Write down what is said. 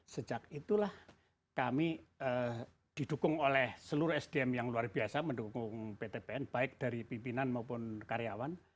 sejak itulah kami didukung oleh seluruh sdm yang luar biasa mendukung pt pn baik dari pimpinan maupun karyawan